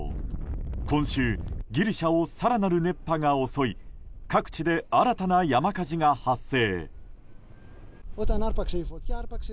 今週、ギリシャを更なる熱波が襲い各地で新たな山火事が発生。